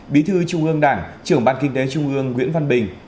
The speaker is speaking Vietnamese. bí thư trung ương đảng trưởng ban kinh tế trung ương nguyễn văn bình